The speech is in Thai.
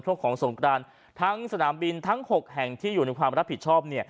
ช่วงของสงกรานทั้งสนามบินทั้ง๖แห่งที่อยู่ในความรับผิดชอบเนี่ย